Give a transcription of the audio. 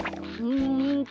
うん。